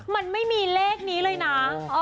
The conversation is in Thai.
มันไม่มีเลขนี้เลยนะ